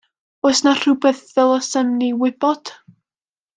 Oes 'na rywbeth ddylsem ni wybod?